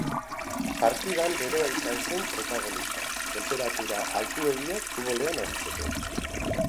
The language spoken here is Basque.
Partidan beroa izan zen protagonista, tenperatura altuegiak futbolean aritzeko.